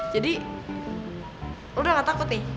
jadi lo udah gak takut nih